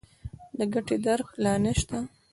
د ګټې درک لا نه شته.